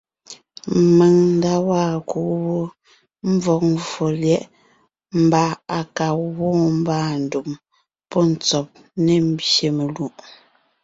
Mèŋ nda waa kuu wó mvɔ̀g mvfò lyɛ̌ʼ mbà à ka gwoon mbàandùm pɔ́ ntsɔ́b ne mbyè melùʼ;